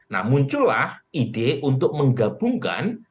nah muncullah ide untuk menggabungkan